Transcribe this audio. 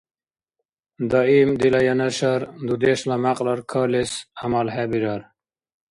Даим дила янашар, дудешла мякьлар, калес гӀямалхӀебирар.